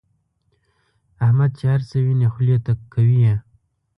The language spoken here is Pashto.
احمد چې هرڅه ویني خولې ته کوي یې.